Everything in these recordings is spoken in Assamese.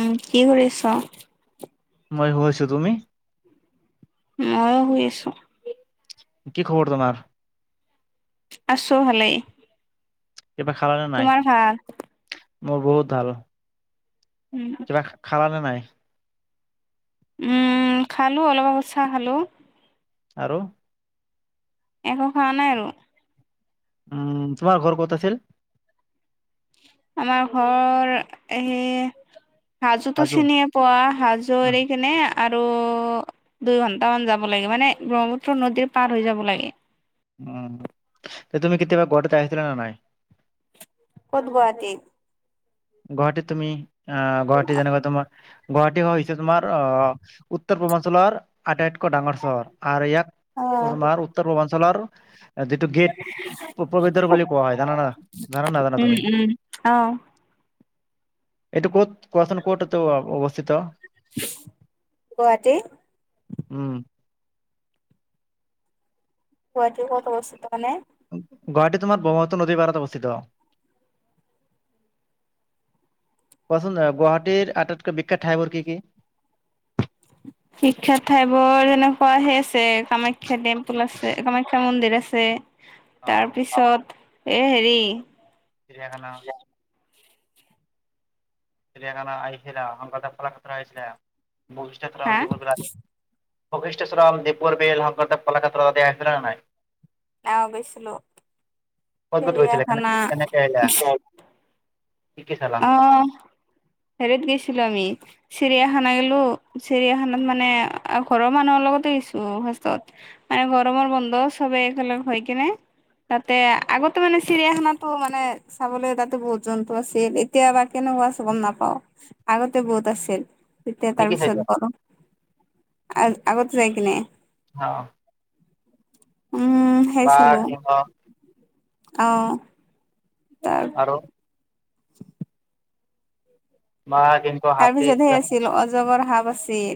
উম, কি কৰি আছা? মই শুইছোঁ। তুমি? মইয়ো, শুই আছোঁ। কি খবৰ তোমাৰ? আছোঁ, ভালেই। কিবা খালানে নাই? তোমাৰ ভাল? মোৰ বহুত ভাল! উম, কিবা খালা নে নাই? উম, খালোঁ অলপ আগত, চাহ খালোঁ। আৰু? একো খোৱা নাই আৰু। উম, তোমাৰ ঘৰ ক'ত আছিল? আমাৰ ঘৰৰ, এই হাজোতো হাজো চিনিয়ে, পোৱা? হাজো আহ, এৰি কিনে, আৰু দুই ঘণ্টামান যাব লাগে। মানে, ব্ৰহ্মপুত্ৰ নদীৰ পাৰ হৈ যাব লাগে। উম, তুমি কেতিয়াবা, গুৱাহাটীত আহিছিলা নে নাই? ক'ত গুৱাহাটী? গুৱাহাটীত তুমি, আঁ গুৱাহাটীত যেনেকুৱা তোমাৰ গুৱাহাটী হৈছে, তোমাৰ আঁ উত্তৰ-পূৰ্বাঞ্চলৰ আটাইতকৈ, ডাঙৰ চহৰ। আৰু ইয়াক, অ'। [unintelligible] উত্তৰ-পূৰ্বাঞ্চলৰ যিটো গেট, পূৱ পবিত্ৰ বুলি কোৱা হয়। জানানা, জানা নাজানা উম, তুমি? উম, অ'! এইটো ক'ত, কোৱাচোন ক'ত এইটো অৱস্থিত? [unintelligible] গুৱাহাটী। উম! গুৱাহাটিৰ ক'ত অৱস্থিত মানে গুৱাহাটী তোমাৰ ব্ৰহ্মপুত্ৰ নদীৰ পাৰত অৱস্থিত। কোৱাচোন গুৱাহাটীৰ আটাইতকৈ বিখ্যাত ঠাইবোৰ কি কি? বিখ্যাত ঠাইবোৰ এনো। অ হে আছে কামাখ্যা টেম্পুল আছে কামাখ্যা মন্দিৰ আছে। অ তাৰপিছত এ হেৰি চিৰিয়াখানা। চিৰিয়াখানা আহিছিলা, শংকৰদেৱ কলাক্ষেত্ৰ আহিছিলা, বৈশিষ্ঠ হা থান বশিষ্ঠাশ্ৰম, দ্বীপৰ বিল, শংকৰদেৱ কলাক্ষেত্ৰতে আহিছানে নাই? আ গৈছিলোঁ। ক'ত ক'ত গৈছিলা, কেনেকে আহিলা, কি কি চালা? অ হেৰিত গেছিলো আমি চিৰিয়াখানা গেলো, চিৰিয়াখানাত মানে ঘৰৰ মানুহৰ লগতো গেছিলোঁ ফাষ্টত তাই গৰমৰ বন্ধ চবে একেলগ হৈ কিনে তাতে আগতে মানে চিৰিয়াখানাতো মানে চাবলৈ তাতো বহুত জন্তু আছিল। এত এতিয়া বা কেনেকুৱা আছে গম নাপাও। আগতে বহুত আছিল এতিয়া কি কি তাৰপিছত চাইছা? নজানো আ আগত যাই কিনে অ। উম সেই বাঘ চালো, সিংহ অহ। তাৰ আৰু [inaudible] তাৰপিছত সে আছিল অজগৰ সাপ আছিল,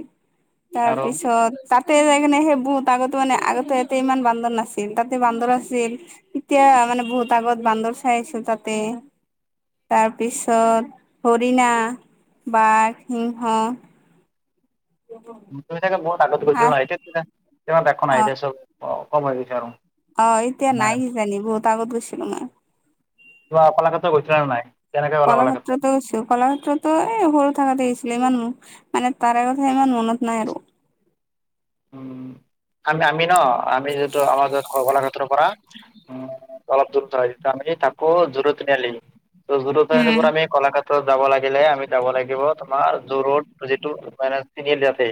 আৰু তাৰপিছত তাত তে যায়কিনে সেই বহুত আগত মানে আগতে ইয়াতে ইমান বান্দৰ নাছিল তাতে বান্দৰ আছিল এতিয়া মানে বহুত আগত বান্দৰ চাই আছোঁ তাতে। তাৰপিছত হৰিণা বাঘ, সিংহ অ। তুমি চাগে বহুত আগত গৈছিলা ন, এতিয়া তাতে একো নাই অ এতিয়া চব কম হৈ গৈছে আৰু। অ এতিয়া নাই কিজানি বহুত আগত গৈছিলো মই। কিবা কলাক্ষেত্ৰ গৈছিলা নে নাই? কেনেকে গ'লা কলাক্ষেত্ৰ? কলাক্ষেত্ৰত টো গৈছোঁ। কলাক্ষেত্ৰতো এই সৰু থকোতে গৈছিলোঁ ইমান, মানে তাৰে কথা ইমান মনত নাই আৰু। উম আমি আমি ন আমি যিহেতু আমাৰ ঘৰ, ঘৰ কলাক্ষেত্ৰৰ পৰা উম অলপ দূৰত হয় আমি থাকোঁ যোৰোড তিনিআলি। জু ৰোডতে উম আৰু আমি কলাক্ষে ত' যাব লাগিলে আমি যাব লাগিব তোমাৰ জু ৰোড যিটো মানে তিনিআলি আছে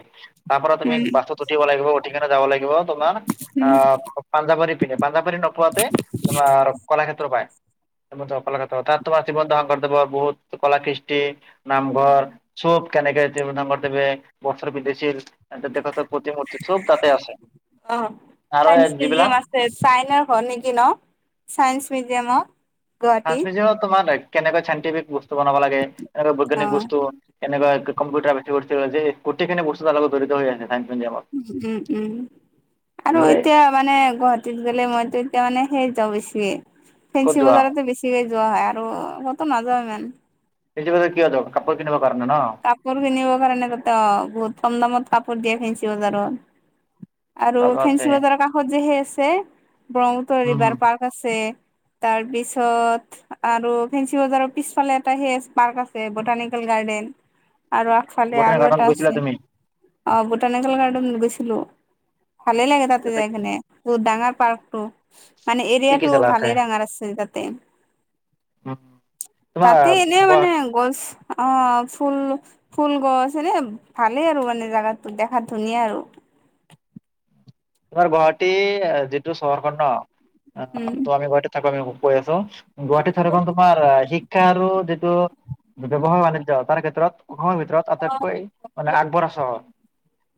তাৰ পৰা তুমি উম বাছত উঠিব লাগিব উঠি কিনে যাব লাগিব তোমাৰ উম। অ পাঞ্জাবাৰী পিনে। পাঞ্জাৱবাৰী নোপোৱাতে তোমাৰ কলাক্ষেত্ৰ পায়। কলাক্ষেত্ৰ তাত তোমাৰ শ্ৰীমন্ত শংকৰদেৱৰ বহুত কলা কৃষ্টি, নামঘৰ, চুপ কেনেকে তেওঁ শংকৰদেৱে বস্ত্ৰ পিন্ধিছিল? দেৱ দেৱতাৰ প্ৰতিমূৰ্তি চব তাতে অ আৰু চাইন্স এই মিউজিয়াম যিবিলাক আছে চাইনাৰ ঘৰ নেকি ন? চাইন্স মিউজিয়াম চাইঞ্চ মিউজিয়ামত তোমাৰ কেনেকৈ চাইণ্টিফিক বস্তু বনাব লাগে আৰু অ বৈজ্ঞানিক বস্তু এনেকুৱা কম্পিউটাৰ বিষয় বস্তুবোৰ যি গোটেইখিন বস্তু লগত জডিত হৈ আছে, চাইন্স মিউজিয়ামত। উম- উম, আৰু বুজিলে? এতিয়া মানে গুৱাহাটীত গ'লে মইতো এতিয়া মানে সেই যাওঁ বেছিকে, ক'ত ফেঞ্চি যোৱা বজাৰতো বেছি- কৈ যোৱা হয়। আৰু ক'তো নাযাওঁ ইমান। ফেঞ্চি বজাৰত কিয় যোৱা, কাপোৰ কিনিব পাৰে কাৰণে ন। কাপোৰ কিনিব কাৰণে তাতে অ, বহুত কম দামত কাপোৰ দিয়ে ফেঞ্চিবজাৰত। আৰু তাৰপাছে ফেঞ্চিবজাৰৰ কাষত যে সেই আছে, ব্ৰহ্মপুত্ৰ উম ৰিভাৰ পাৰ্ক আছে। তাৰপিছত আৰু ফেঞ্চি বজাৰৰ পিছফালে এটা পাৰ্ক আছে, বটানিকেল গাৰ্ডেন। আৰু আগফালে বটানী আৰু গাৰ্ডেনত এটা গৈছিলা আছে। তুমি অ, বটানিকেল গাৰ্ডেন গৈছিলোঁ, ভালেই লাগে তাতে যাই কিনে। বহুত ডাঙৰ পাৰ্কটো, মানে কি কি এৰিয়াটো চালা তাতে? ভালে ডাঙৰ আছে তাতে। উম। তোমাৰ তাতে এনেই গুৱা মানে গছ অ। ফুল- ফুল গছ এনে ভালেই আৰু মানে জাগাটো দেখাত ধুনীয়া আৰু। তোমাৰ গুৱাহাটী, যিটো চহৰখনৰ ন উম ত, আমি গুৱাহাটীত থাকোঁ আমি গৈ আহিছো। গুৱাহাটীত থাকি গ'ল তোমাৰ শিক্ষা আৰু যিটো ব্যৱসায় বাণিজ্যতাৰ ক্ষেত্ৰত অসমৰ ভিতৰত আটাইতকৈ মানে আগবঢ়া চহৰ।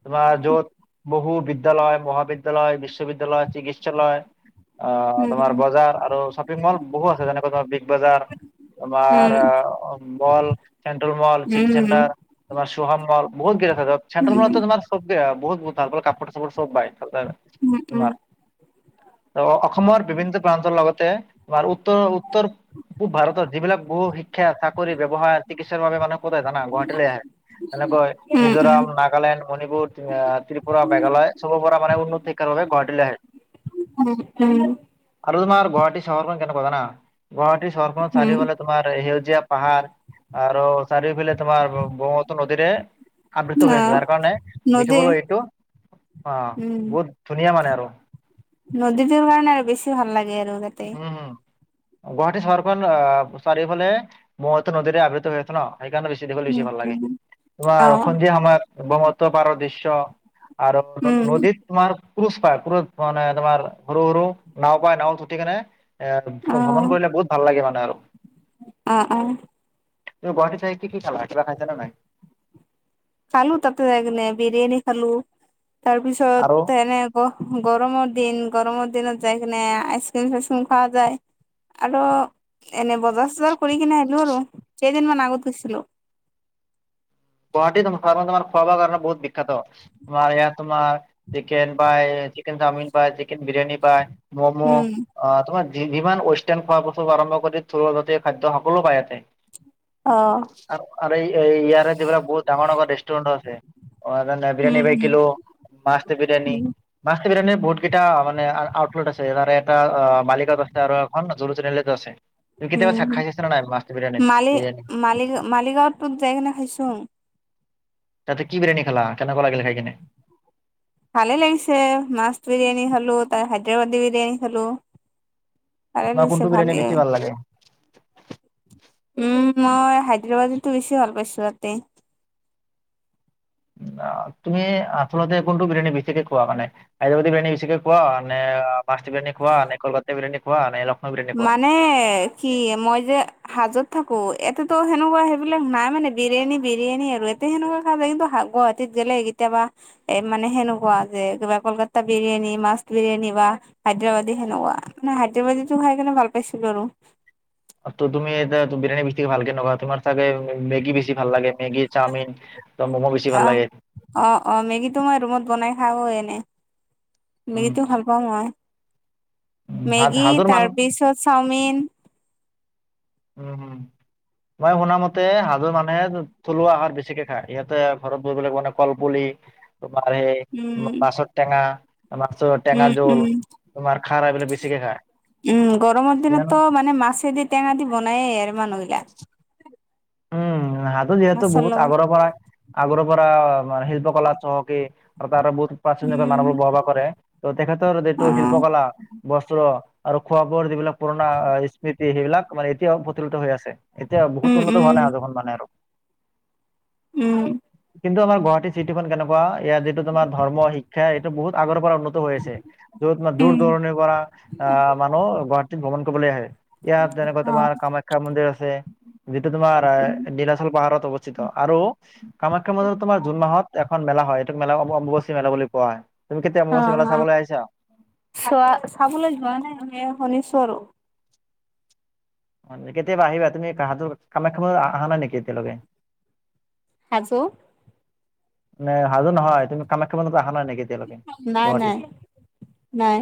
তোমাৰ য'ত বহু বিদ্যালয়, মহাবিদ্যালয়, বিশ্ববিদ্যালয়, চিকিৎসালয় অ, উম তোমাৰ বজাৰ আৰু শ্বপিং মল বহু আছে। যেনেকৈ তোমাৰ বি বিগ বজাৰ, আমাৰ mall, central mall, city um um centre তোমাৰ চোহান মল বহুত দেখা যায়, চেণ্টাৰ মলটো তোমাৰ চবেই বহুত- বহুত ভাল কাপোৰ চাপোৰ চব পায়। পোৱা যায়, তোমাৰ। অসমৰ বিভিন্ন প্ৰান্তৰ লগতে তোমাৰ উত্তৰ- উত্তৰ পূব ভাৰতত যিবিলাক বহু শিক্ষা, চাকৰি, ব্যৱসায়, চিকিৎসাৰ বাবে মানুহে ক'ত আহে জানা, গুৱাহাটীলৈ আহে। যেনেকৈ মিজোৰাম, নাগালেণ্ড, মণিপুৰ, ত্ৰিপুৰা, মেঘালয় চবৰ পৰা- উন্নতিৰ কাৰণে গুৱাহাটীলৈ আহে। আৰু তোমাৰ গুৱাহাটী চহৰখন কেনেকুৱা জানা, গুৱাহাটীচহৰখনৰ চাৰিওফালে তোমাৰ সেউজীয়া পাহাৰ আৰু চাৰিওফালে তোমাৰ ব্ৰহ্মপুত্ৰৰ নদীৰে আবৃত হৈ আছে। আহ, যাৰ কাৰণে নদী দেখিবলৈ এইটো অ, উম বহুত ধুনীয়া মানে আৰু। নদীটোৰ কাৰণে আৰু বেছি ভাল লাগে আৰু তাতে। উম, হু। গুৱাহাটী চহৰখন অ, চাৰিফালে ব্ৰহ্মপুত্ৰৰ নদীৰে আবৃত্ত হৈ আছে ন, সেইকাৰণে বে - দেখিবলৈ বেছি ভাল লাগে। অ তোমাৰ সন্ধিয়া সময়ত ব্ৰহ্মপুত্ৰ পাৰৰ দৃশ্য আৰু উম নদীত তোমাৰ পুৰুষ পায়, পুৰুষ মানে তোমাৰ সৰু সৰু নাও পায়, নাওত উঠি কেনে এ অ ভ্ৰমণ কৰিলে বহুত ভাল লাগে মানে আৰু। অ- অ। তুমি গুৱাহাটী চাই কি কি খালা, কিবা খাইচা নে নাই? খালোঁ তাতে যায় কেনে, বিৰিয়ানী খালোঁ। আৰু তাৰপিছত এনে গৰমৰ দিন, গৰমৰ দিনত যাই কিনে আইচক্ৰীম- চাইচক্ৰীম খোৱা যায়। আৰু এনে বজাৰ - চজাৰ কৰি কিনে আহিলোঁ আৰু কেইদিনমান আগত গৈছিলোঁ। গুৱাহাটী চহৰ খনত তোমাৰ খোৱা বোৱাৰ কাৰণে বহুত বিখ্যাত, তোমাৰ ইয়াত তোমাৰ চিকেন পাই চিকেন, চাওমিন পায়, চিকেন বিৰিয়ানি পায়, ম'মো উম অ, তোমাৰ যিমান ৱেষ্টাৰ্ণ খোৱা বস্তুৰ লগতে থলুৱা খাদ্য সকলো পায় ইয়াতে। অ আৰো ইয়াৰে যিবিলাক বহুত ডাঙৰ- ডাঙৰ ৰেষ্টুৰেন্ট আছে, অ, বিৰিয়ানী উম by kilo must biryani. Must biryani বহুত কেইটা মানে [unintelligible] আছে, তাৰে এটা মালিগাঁৱত আছে আৰু এখন জু ৰোড তিনি আলিটো আছে। তুমি উম কেতিয়াবা উম [unintelligible] খাই চাইছানে নাই মাষ্ট বিৰিয়ানীত বিৰিয়ানী? মালিগাঁৱত [unintelligible] তাতে কি বিৰিয়ানী খালা? কেনেুৱা লাগিল খাই কিনে? ভালে লাগিছে, মাষ্ট বিৰিয়ানী খালো, তাৰ হাইদৰাবাদী বিৰিয়ানী খালো। তোমাৰ কোনটো বিৰিয়ানী বেছি ভাল [inaudible] লাগে উম মই হাইদৰাবাদীটো বেছি ভাল পাইছো তাতে! [unintelligible] তু‌মি আচলতে কোনটো বিৰিয়ানী বেছিকে খোৱা মানে? হাইদৰাবাদী বিৰিয়ানী বেছিকৈ খোৱাে, ‌ নে মাষ্ট বিৰিয়ানী খোৱা নে কলকাতা বিৰিয়ানী খোৱাে লক্ষ্ণৌ বিৰিয়ানী খোৱা? মানে [unintelligible] মই যে হাজোত থাকো। [unintelligible] ‌ সেনেকুৱা সেইবিলাক নাই মানে বিৰিয়ানী বিৰিয়ানী আৰু, [unintelligible] [unintelligible] কেতিয়াবা এ মানে সেনেকুৱা যে কিবা কলকাতা বিৰিয়ানী মাষ্ট বিৰিয়ানী বা হায়দৰাবাদী সেনেকুৱা, মই হায়দৰাবাদীটো খাই কিনে ভাল পাইছিলো আৰু! তু-তুমি এটা বিৰিয়ানী বেছি ভালকে [unintelligible] তোমাৰ চাগে মেগী বছি ভাল লাগে, মেগী চাওমিন! [unintelligible] মোমো বেছি ভাল আহ লাগে! অ অ মেগীটো মই ৰুমত বনাই খাওঁ এনে উম মেগীটো ভাল [unintelligible] উম, হাজ মেগী, হাজোৰ মান তাৰপিছত চাওমিন উম হম। মই শুনা মতে হাজোৰ মানুহে থলুৱা আহাৰ বেছিকে খায়, ইহঁতে ঘৰত [unintelligible] কল পুলি, তোমাৰ সেই উম, মাছৰ টেঙা, মাছৰ উম টেঙা জোল উম, তোমাৰ খাৰ এইবিলাক বেছিকে খায় উম গৰমৰ জানো দিনততো মানে মছে দি টেঙা দি বনায়েই আৰু মানুহবিলাক উম [unintelligible] যিহেতু মাছৰ বহুত লগত, আগৰ পৰা আগৰ পৰা মানে শিল্প কলাত চহকী [unintelligible] প্ৰাচীন উম, মানুহবোৰ বহবাহ কৰে ত তেখেতৰ যটো শিল্প অ', কলা, বস্ত্ৰ আৰু খোৱা বোৱাৰ যিবিলাক পুৰণা স্মৃতি, সেইবিলাক মানে এতিয়াও [unintelligible] হৈ আছে। এতিয়া বহুত উম, উন্নত হোৱা উম, নাই [unintelligible] উম। কিন্তু আমাৰ গুৱাহাটী চিটিখন কেনেকুৱা, ইয়াত যিটো তোমাৰ ধৰ্ম শিক্ষা এইটো বহুত আগৰ পৰা [unintelligible] হৈ আছে। য'ত [unintelligible] উম, দূৰ-দূৰণিৰ পৰা আহ মানুহ গুৱাহাটীত ভ্ৰমণ কৰিবলৈ আহে। ইয়াত তেনেকুৱা অ', তোমাৰ কামাখ্যা মন্দিৰ আছে। [unintelligible] তোমাৰ এ নীলাচল পাহাৰত অৱস্থিত আৰু কামাখ্যা মন্দিৰত তোমাৰ জুন মাহত এখন মেলা হয়, এইটো মেলা অম্ববাচী মেলা বুলি কোৱা হয়। তুমি কেতিয়া অ', [unintelligible] মেলা অ'। চাবলৈ আহিছা? চোৱা চাবলৈ যোৱা নাই [unintelligible] শুনিছোঁ আৰু। কেতিয়াবা আহিবা তুমি [unintelligible] কামাখ্যা মন্দিৰত অহা নাই নেকি এতিয়ালৈকে? [unintelligible] [unintelligible] হাজো‌ নহয় তুমি কামাখ্যা মন্দিৰত অহা নাই নেকি এতিয়ালৈকে নাই, গুৱাহাটীত? নাই, নাই,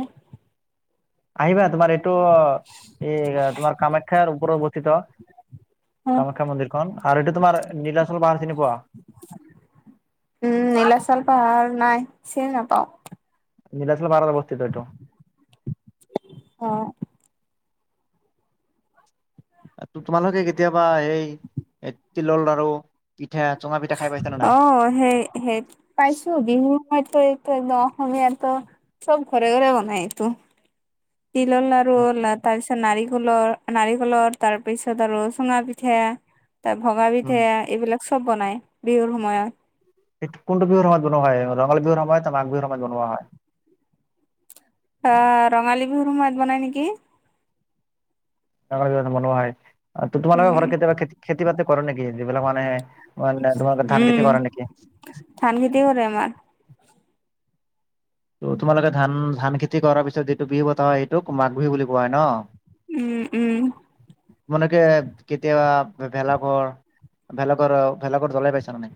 আহিবা তোমাৰ এইটো, এই তোমাৰ কামাখ্যাৰ ওপৰত [unintelligible] উম, কামাখ্যা মন্দিৰখন, আৰু এইটো তোমাৰ নীলাচল পাহাৰ চিনি পোৱা? উম নীলাচল পাহাৰ, নাই চিনি নাপাওঁ। নীলাচল পাহাৰত অৱস্থিত এইটো। অ। তোমালোকে কেতিয়াবা এইে তিলৰ লাৰু, পিঠা, চুঙা [unintelligible] নাই? অ'সেই, সেইত। পাইছো বিহুসময়তো এইটো একদম অসমীয়া তো চব ঘৰে, ঘৰে বনাই এইটো। তিলৰ লাৰু লা তাছ ত' নাৰিকলৰ, নাৰিকলৰ তাৰ পিছত আৰু চুঙা পিঠা তে ভঙা উম পিঠা এইবিলাক চব বনায় বিহুৰ সময়ত। এইটো কোনটো বিহুৰ সময়ত বনোৱা হয় ৰঙালী বিহুৰ সময়ত [unintelligible] মাঘ বিহুৰ সময়ত বনোৱা হয়? অ'ৰঙালী বিহুৰ সময়ত বনায় নেকি। [unintelligible] বনোৱা হয় অ' তো-তোমালোকৰ ঘৰত উম, কেতিয়াবা খেত-খেতি বাতি কৰে নেকি যিবিলাক মানুহে মানে তোমালোকে ধান উম, খেতি কৰা নেকি? ধান খতি কৰে আমাৰ। ত' তোমালোকে ধান-ধান খেতি কৰা পিছত যিটো বিহু পতা হয়, সেইটোক মাঘ বিহু বুলি কোৱা হয় ন? উম, উম। তোমালোকে কেতিয়াবা ভে-ভেলাঘৰ ভেলাঘৰ, ভেলাঘৰ জ্বলাই পাইছা নে নাই?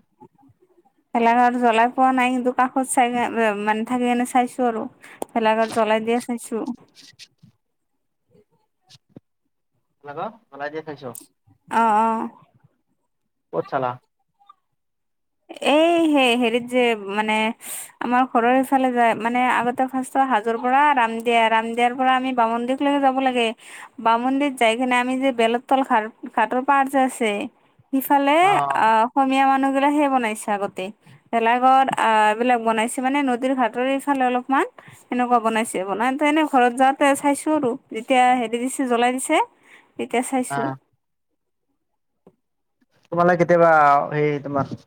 ভেলাঘৰ জ্বলাই পোৱা নাই কিন্তু কাষত চাইকে মানে থাকি কেনে চাইছো আৰু। ভেলাঘৰ জ্বলাই দিয়া চাইছো। ভেলাঘৰ জ্বলাই দিয়া চাইছ? অ'অ'। ক'ত চালা? এই সেই হেৰিত যে, মানে আমাৰ ঘৰৰ সিফালে যে মানে আগতে ফাৰ্ষ্ট চ' হাজোৰ পৰা ৰাম দিয়া, ৰাম দিয়াৰ পৰা আমি বামন্দিকলৈকে যাব লাগে বামন্দিত যাই কেনে আমি যে বেলত তল ঘাৰ ঘাটৰ পাৰ যে আছে সিফালে অ' অসমীয়া মানুহ বোৰে সেই বনাইছে আগতে ভেলাঘৰ আহ, এইবিলাক বনাইছে মানে নদীৰ ঘাটৰএইফালে অলপমান সেনেকুৱা বনাইছে বনাওতে এনেই ঘৰত যাওঁতে চাইছো আৰু যেতিয়া হেৰি দিছে জ্বলাই দিছে। [inaudible] তেতিয়া চাইছোঁ। অ', তোমালৈ কেতিয়াবা অ'সেই তোমাৰ